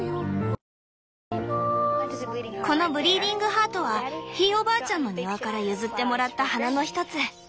このブリーディングハートはひいおばあちゃんの庭から譲ってもらった花のひとつ。